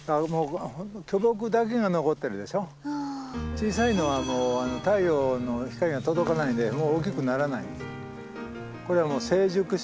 小さいのは太陽の光が届かないで大きくならない。